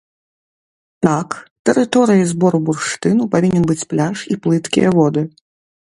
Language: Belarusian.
Так, тэрыторыяй збору бурштыну павінен быць пляж і плыткія воды.